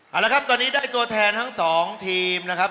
เอาละครับตอนนี้ได้ตัวแทนทั้งสองทีมนะครับ